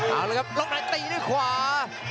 เอาละครับล็อกในตีด้วยขวา